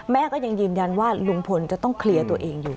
แม่ก็ยังยืนยันว่าลุงพลจะต้องเคลียร์ตัวเองอยู่